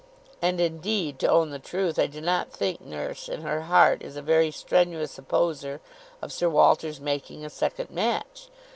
And, indeed, to own the truth, I do not think nurse, in her heart, is a very strenuous opposer of Sir Walter's making a second match.